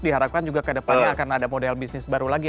diharapkan juga ke depannya akan ada model bisnis baru lagi